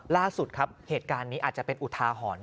ล่าสุดครับเหตุการณ์นี้อาจจะเป็นอุทาหรณ์